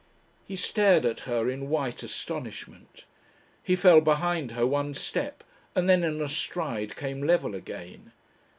He stared at her in white astonishment. He fell behind her one step, and then in a stride came level again.